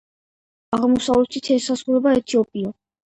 აღმოსავლეთით ესაზღვრება ეთიოპია.